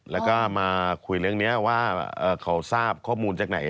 แล้วก็มาคุยเรื่องนี้ว่าเขาทราบข้อมูลจากไหน